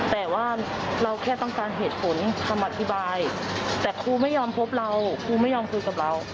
แต่ว่าเราแค่ต้องการเหตุผลคำอธิบายแต่ครูไม่ยอมพบเราครูไม่ยอมคุยกับเรา